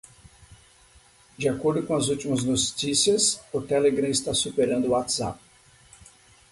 De acordo com as últimas notícias, o Telegram está superando o WhatsApp